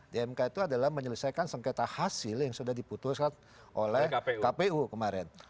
di mk itu adalah menyelesaikan sengketa hasil yang sudah diputuskan oleh kpu kemarin